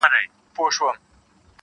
او پوښتني نه ختمېږي هېڅکله-